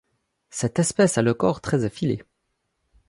Cette espèce a le corps très effilé.